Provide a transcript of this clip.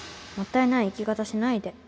もったいない生き方しないで